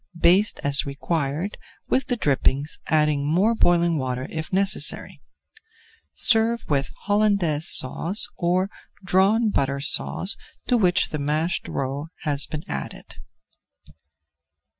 Baste as required with the drippings, adding more boiling water if necessary. Serve with Hollandaise Sauce or Drawn Butter Sauce to which the mashed roe has been added.